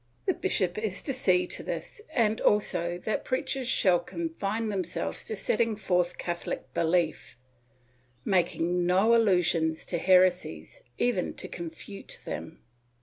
The bishop is to see to this and also that preachers shall confine themselves to setting forth Catholic belief, making no allusions to heresies, even to confute them.